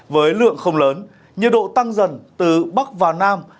với lượng không lớn nhiệt độ tăng dần từ bắc vào nam